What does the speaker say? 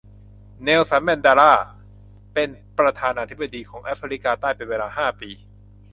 เนลสันแมนเดลาเป็นประธานาธิปดีของแอฟริกาใต้เป็นเวลาห้าปี